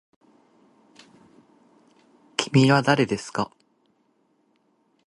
きみはだれですか。